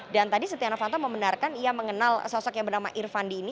dan tadi setia novanto membenarkan ia mengenal sosok yang bernama irvandi ini